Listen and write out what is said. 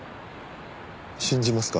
信じますか？